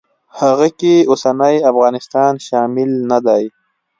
هغه کې اوسنی افغانستان شامل نه دی.